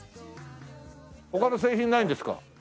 他の製品ないんですか？